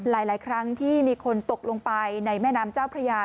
หลายครั้งที่มีคนตกลงไปในแม่น้ำเจ้าพระยา